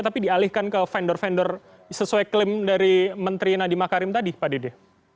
tapi dialihkan ke vendor vendor sesuai klaim dari menteri nadiem makarim tadi pak dede